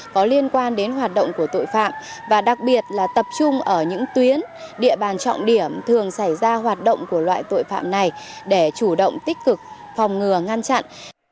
có liên quan đến hoạt động của tội phạm và đặc biệt là tập trung ở những tuyến địa bàn trọng điểm thường xảy ra hoạt động của loại tội phạm này để chủ động tích cực phòng ngừa ngăn chặn